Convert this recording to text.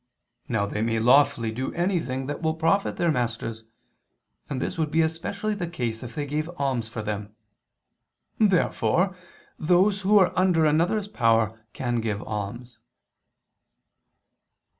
Now they may lawfully do anything that will profit their masters: and this would be especially the case if they gave alms for them. Therefore those who are under another's power can give alms.